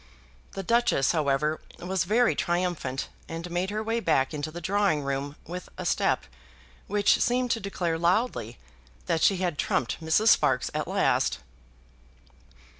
The Duchess, however, was very triumphant, and made her way back into the drawing room with a step which seemed to declare loudly that she had trumped Mrs. Sparkes at last.